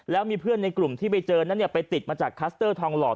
แล้วมีเพื่อนในกลุ่มที่ไปเจอนั้นไปติดมาจากคัสเตอร์ทองหลอด